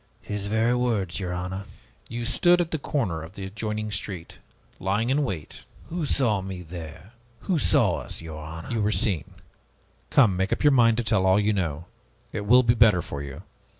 His very words, your honor." "You stood at the corner of the adjoining street, lying in wait." "Who saw me there? Who saw us, your honor?" "You were seen. Come, make up your mind to tell all you know. It will be better for you.